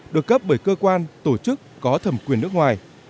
được cấp bởi cơ quan tổ chức có thẩm quyền nước ngoài